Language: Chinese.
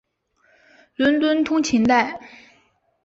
伦敦通勤带。